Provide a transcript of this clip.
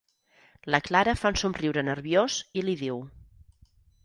La Clara fa un somriure nerviós i l'hi diu.